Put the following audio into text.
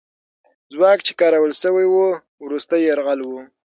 ځواک چې کارول سوی وو، وروستی یرغل وو.